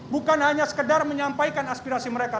bukan hanya sekedar menyampaikan aspirasi mereka